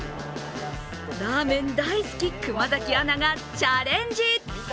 ラーメン大好き、熊崎アナがチャレンジ！